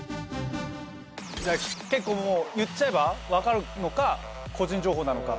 じゃあ結構もう言っちゃえば分かるのか個人情報なのか。